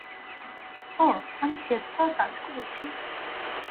ওহ, আমি স্বেচ্ছায় কাজ করেছি।